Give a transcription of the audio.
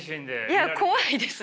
いや怖いですね。